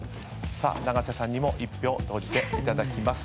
永瀬さんにも１票投じていただきます。